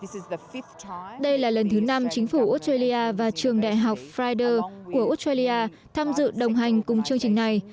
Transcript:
chương trình thứ năm chính phủ australia và trường đại học fryder của australia tham dự đồng hành cùng chương trình này